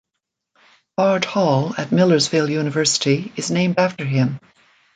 Bard Hall at Millersville University is named after him.